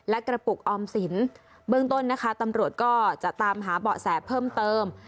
และกระปุกออมสินเบื้องต้นนะคะตำรวจก็จะตามหาเบาะแสเพิ่มเติม